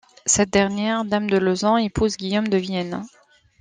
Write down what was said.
Cette dernière, dame de Lauson, épouse, Guillaume de Vienne.